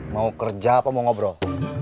mau kerja apa mau ngobrol